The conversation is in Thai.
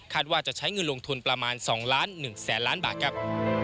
ว่าจะใช้เงินลงทุนประมาณ๒ล้าน๑แสนล้านบาทครับ